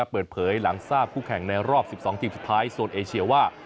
เปิดเผยหลังทราบคู่แข่งในรอบ๑๒ทีมสุดท้ายโซนเอเชียว่า